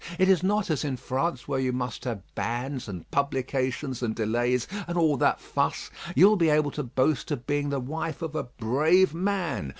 It is not as in France, where you must have bans, and publications, and delays, and all that fuss. You will be able to boast of being the wife of a brave man.